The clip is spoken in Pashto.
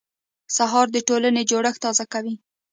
سهار د ټولنې جوړښت تازه کوي.